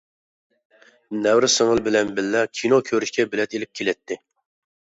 نەۋرە سىڭىل بىلەن بىللە كىنو كۆرۈشكە بىلەت ئېلىپ كېلەتتى.